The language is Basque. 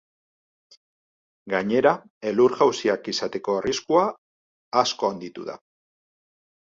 Gainera, elur-jausiak izateko arriskua asko handitu da.